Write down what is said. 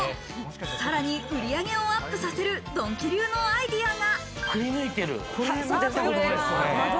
さらに売り上げをアップさせる、ドンキ流のアイデアが。